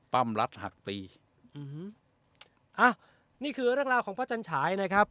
้มรัดหักตีอืมอ้าวนี่คือเรื่องราวของพระจันฉายนะครับ